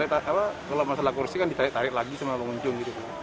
sudah pak cuma kadang kalau masalah kursi kan ditarik tarik lagi sama pengunjung gitu